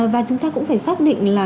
và chúng ta cũng phải xác định là